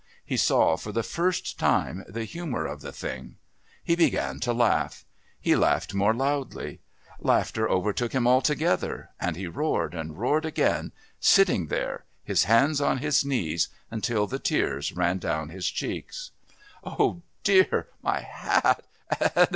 He saw, for the first time, the humour of the thing. He began to laugh; he laughed more loudly; laughter overtook him altogether, and he roared and roared again, sitting there, his hands on his knees, until the tears ran down his cheek. "Oh dear...my hat...